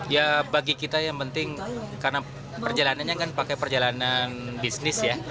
ya bagi kita yang penting karena perjalanannya kan pakai perjalanan bisnis ya